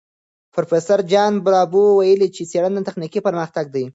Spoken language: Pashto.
پروفیسور جان باربور ویلي، څېړنه تخنیکي پرمختګ دی.